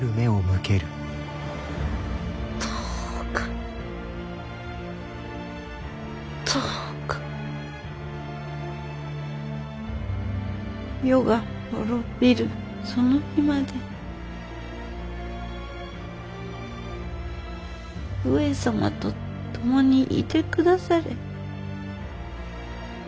どうかどうか世が滅びるその日まで上様と共にいて下され。